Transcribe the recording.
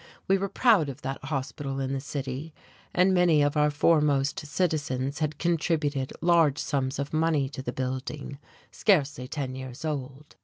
We were proud of that hospital in the city, and many of our foremost citizens had contributed large sums of money to the building, scarcely ten years old.